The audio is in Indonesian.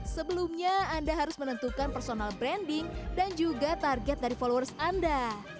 sebelumnya anda harus menentukan personal branding dan juga target dari followers anda